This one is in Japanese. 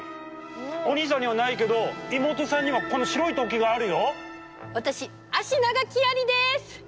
お兄さんにはないけど妹さんにはこの白い突起があるよ！